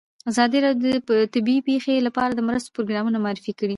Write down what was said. ازادي راډیو د طبیعي پېښې لپاره د مرستو پروګرامونه معرفي کړي.